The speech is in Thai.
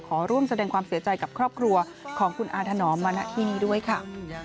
ขอร่วมแสดงความเสียใจกับครอบครัวของคุณอาถนอมมาณที่นี้ด้วยค่ะ